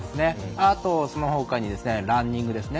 あとそのほかにランニングですね。